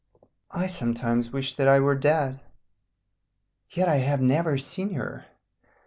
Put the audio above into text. I sometimes wish that I were dead. "Yet I have never seen her.